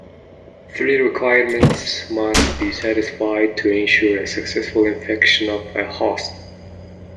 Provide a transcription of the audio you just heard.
Three requirements must be satisfied to ensure a successful infection of a host.